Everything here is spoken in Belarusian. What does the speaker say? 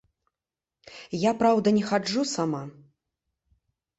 Я, праўда, не хаджу сама.